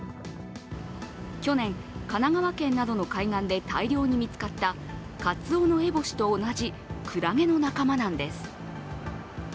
去年、神奈川県などの海岸で大量に見つかったカツオノエボシと同じクラゲの仲間なんです。